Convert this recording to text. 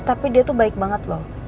tapi dia tuh baik banget loh